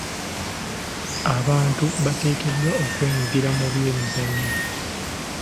Abantu bateekeddwa okwenyigira mu by'emizannyo.